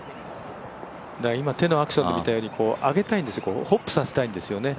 今、手のアクションで見たように上げたいんです、ホップさせたいんですね。